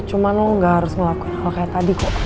cuma lo gak harus ngelakuin hal kayak tadi kok